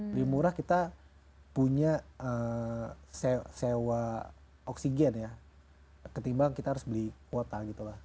lebih murah kita punya sewa oksigen ya ketimbang kita harus beli kuota gitu lah